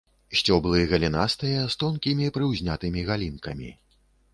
Сцёблы галінастыя, з тонкімі прыўзнятымі галінкамі.